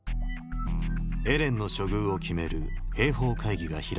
エレンの処遇を決める兵法会議が開かれた。